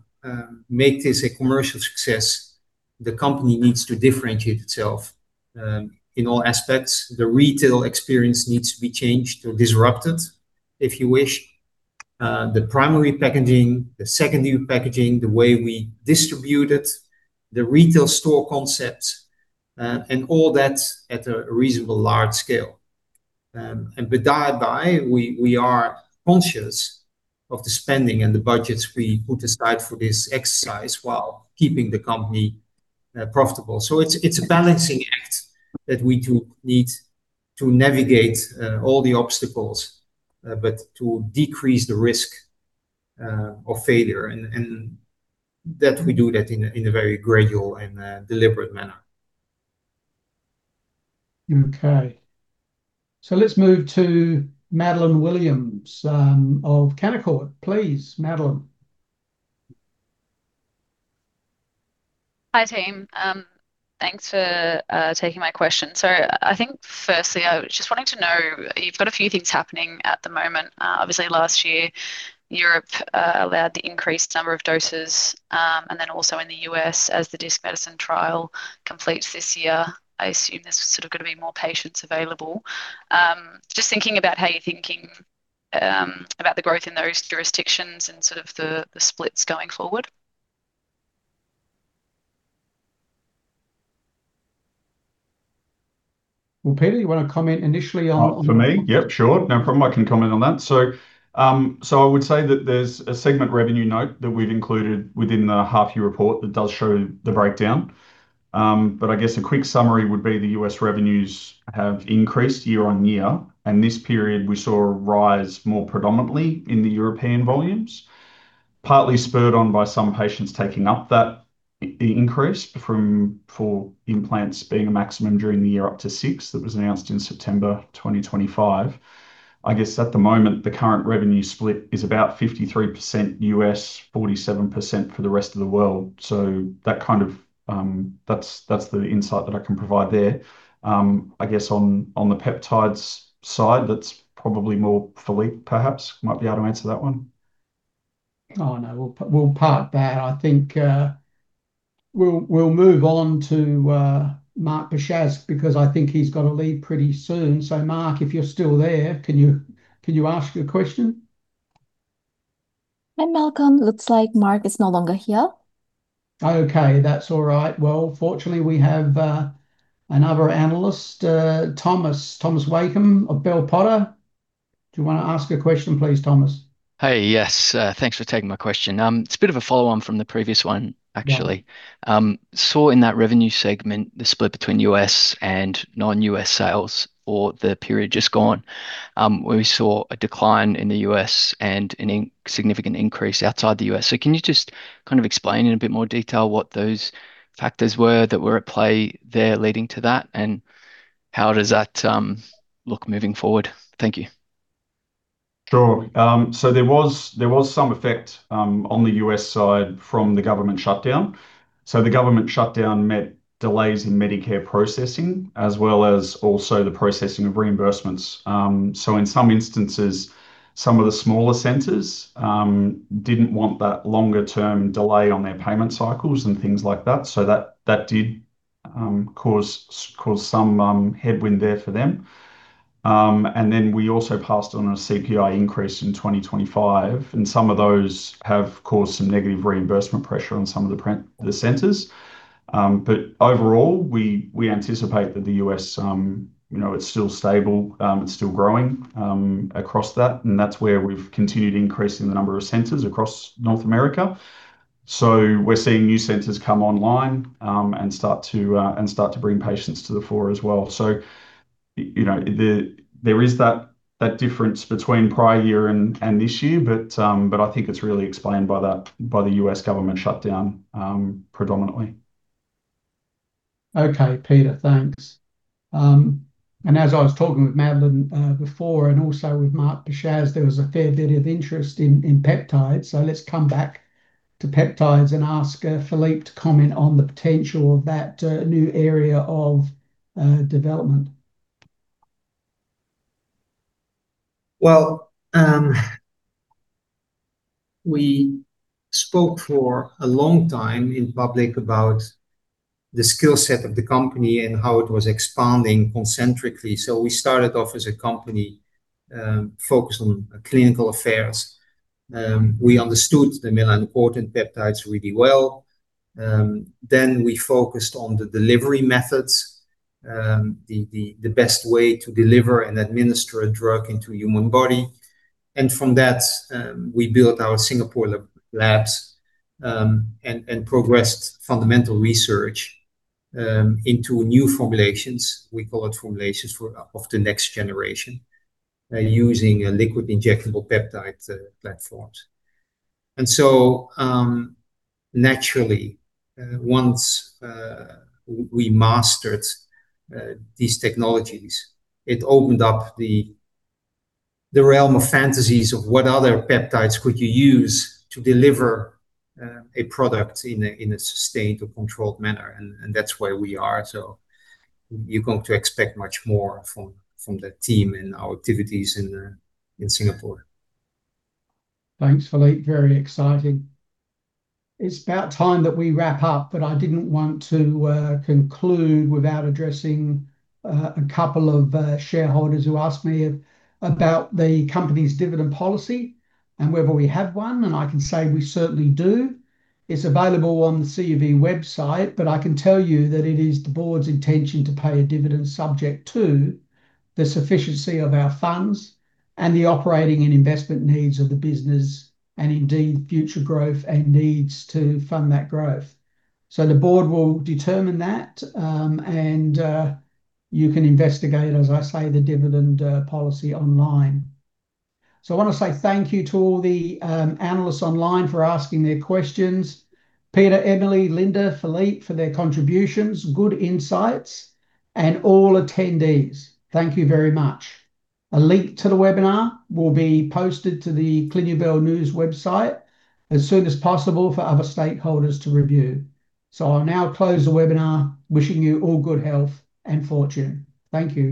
make this a commercial success, the company needs to differentiate itself in all aspects. The retail experience needs to be changed or disrupted, if you wish. The primary packaging, the secondary packaging, the way we distribute it, the retail store concept, and all that at a reasonably large scale. With that buy, we are conscious of the spending and the budgets we put aside for this exercise while keeping the company profitable. It's a balancing act that we do need to navigate all the obstacles, but to decrease the risk of failure, and that we do that in a very gradual and deliberate manner. Okay. let's move to Madeleine Williams of Canaccord. Please, Madeleine. Hi, team. Thanks for taking my question. I think firstly, I was just wanting to know, you've got a few things happening at the moment. Obviously last year, Europe allowed the increased number of doses. Also in the U.S., as the Disc Medicine trial completes this year, I assume there's sort of going to be more patients available. Just thinking about how you're thinking about the growth in those jurisdictions and sort of the splits going forward. Well, Peter, you want to comment initially on? For me? Yep, sure. No problem. I can comment on that. I would say that there's a segment revenue note that we've included within the half-year report that does show the breakdown. I guess a quick summary would be the U.S. revenues have increased year-on-year, and this period we saw a rise more predominantly in the European volumes, partly spurred on by some patients taking up that increase for implants being a maximum during the year up to six. That was announced in September 2025. I guess at the moment, the current revenue split is about 53% U.S., 47% for the rest of the world. That kind of, that's the insight that I can provide there. I guess on the peptides side, that's probably more Philippe perhaps might be able to answer that one. Oh, no, we'll park that. I think, we'll move on to Mark Pachacz, because I think he's got to leave pretty soon. Mark, if you're still there, can you ask your question? Hi, Malcolm. Looks like Mark is no longer here. Okay. That's all right. Well, fortunately, we have another analyst, Thomas Wakim of Bell Potter. Do you want to ask a question, please, Thomas? Hey. Yes. Thanks for taking my question. It's a bit of a follow on from the previous one, actually. Yeah. Saw in that revenue segment, the split between U.S. and non-U.S. sales for the period just gone, we saw a decline in the U.S. and a significant increase outside the U.S. Can you just kind of explain in a bit more detail what those factors were that were at play there leading to that, and how does that look moving forward? Thank you. Sure. There was some effect on the U.S. side from the government shutdown. The government shutdown meant delays in Medicare processing, as well as also the processing of reimbursements. In some instances, some of the smaller centers didn't want that longer term delay on their payment cycles and things like that. That did cause some headwind there for them. We also passed on a CPI increase in 2025, and some of those have caused some negative reimbursement pressure on some of the centers. Overall, we anticipate that the U.S., you know, it's still stable, it's still growing across that, and that's where we've continued increasing the number of centers across North America. We're seeing new centers come online and start to bring patients to the fore as well. You know, there is that difference between prior year and this year, but I think it's really explained by the U.S. government shutdown predominantly. Okay, Peter, thanks. As I was talking with Madeleine, before, and also with Mark Pachacz, there was a fair bit of interest in peptides. Let's come back to peptides and ask Philippe to comment on the potential of that new area of development. Well, we spoke for a long time in public about the skill set of the company and how it was expanding concentrically. We started off as a company, focused on clinical affairs. We understood the melanocortin peptides really well. Then we focused on the delivery methods, the best way to deliver and administer a drug into a human body. From that, we built our Singapore labs, and progressed fundamental research into new formulations. We call it formulations for, of the next generation, using a liquid injectable peptide platforms. Naturally, once we mastered these technologies, it opened up the realm of fantasies of what other peptides could you use to deliver a product in a sustained or controlled manner, and that's where we are. You're going to expect much more from that team and our activities in Singapore. Thanks, Philippe. Very exciting. It's about time that we wrap up. I didn't want to conclude without addressing a couple of shareholders who asked me about the company's dividend policy and whether we have one, and I can say we certainly do. It's available on the CUV website. I can tell you that it is the board's intention to pay a dividend subject to the sufficiency of our funds and the operating and investment needs of the business, and indeed, future growth and needs to fund that growth. The board will determine that, and you can investigate, as I say, the dividend policy online. I want to say thank you to all the analysts online for asking their questions. Peter, Emilie, Linda, Philippe, for their contributions, good insights, and all attendees. Thank you very much. A link to the webinar will be posted to the CLINUVEL News website as soon as possible for other stakeholders to review. I'll now close the webinar, wishing you all good health and fortune. Thank you.